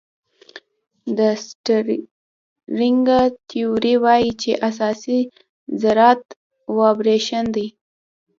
د سټرینګ تیوري وایي چې اساسي ذرات وایبریشن دي.